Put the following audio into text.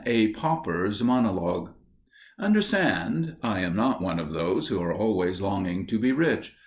*A Pauper's Monologue* Understand, I am not one of those who are always longing to be rich.